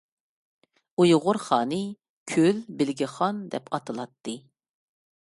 ئۇيغۇر خانى «كۆل بىلگە خان» دەپ ئاتىلاتتى.